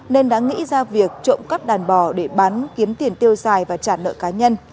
nên đã nghĩ ra việc trộm cắp đàn bò để bán kiếm tiền tiêu xài và trả nợ cá nhân